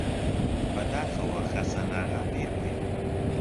بەداخەوە خەسەناغا پیر بووی!